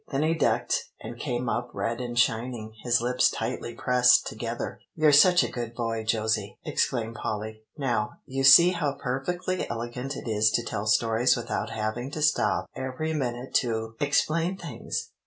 Then he ducked, and came up red and shining, his lips tightly pressed together. "You're such a good boy, Josey!" exclaimed Polly. "Now, you see how perfectly elegant it is to tell stories without having to stop every minute to explain things.